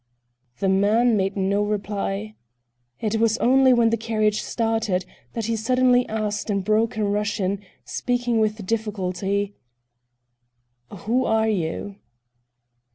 The man made no reply. It was only when the carriage started, that he suddenly asked in broken Russian, speaking with difficulty: "Who are you?"